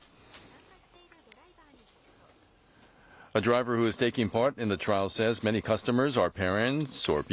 参加しているドライバーに聞くと。